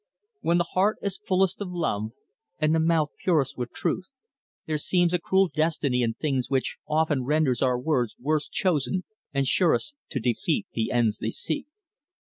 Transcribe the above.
When the heart is fullest of love, and the mouth purest with truth, there seems a cruel destiny in things which often renders our words worst chosen and surest to defeat the ends they seek.